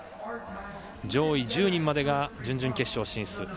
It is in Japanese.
上位１０人までが準々決勝進出。